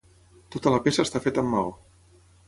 Tota la peça està feta amb maó.